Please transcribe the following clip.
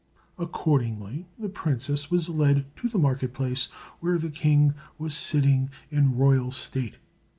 Accordingly the princess was led to the market place, where the king was sitting in royal state.